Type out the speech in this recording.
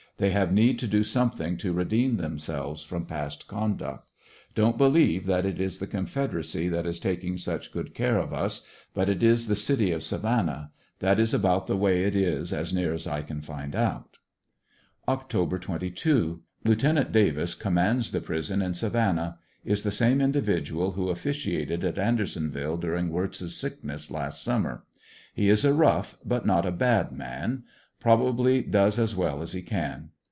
They have need to do somethmg to redeem themselves from past conduct. Don't believe that it is the Confederacy that is taking such good care of us, but il is the city ot Savannah ; that is about the way it is as near as I can find out. Oct. 22. — Lieut. Davis commands the prison in Savannah. Is the same individual who officiated at Andersonville during Wirtz's sickness last summer. He is a rough but not a bad man Probably does as well as he can.